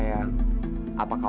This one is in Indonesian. yang copsah sih